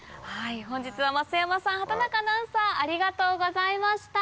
本日は増山さん畑中アナウンサーありがとうございました！